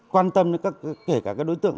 quan tâm đến các đối tượng